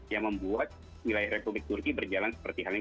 yang membuat wilayah republik turki berjalan seperti hal ini